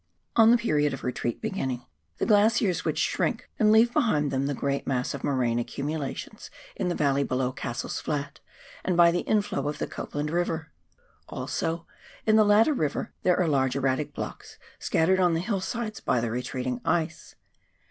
On the period of retreat beginning, the glaciers would shrink and leave behind them the great mass of morainic accumu lations in the valley below Cassell's Flat, and by the inflow of the Copland Eiver. Also in the latter river there are large erratic blocks scattered on the hillsides by the retreating ice.